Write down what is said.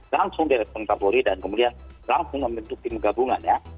langsung direspon kapolri dan kemudian langsung membentuk tim gabungan ya